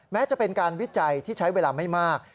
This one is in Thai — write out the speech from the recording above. แม้จะเป็นการวิจัยที่ใช้เวลาไม่มาก